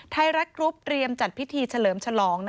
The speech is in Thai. ไทยรัฐกรุ๊ปเตรียมจัดพิธีเฉลิมฉลอง